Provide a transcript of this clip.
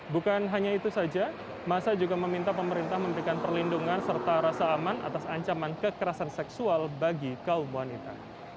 bukan hanya itu saja masa juga meminta pemerintah memberikan perlindungan serta rasa aman atas ancaman kekerasan seksual bagi kaum wanita